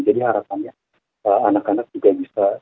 jadi harapannya anak anak juga bisa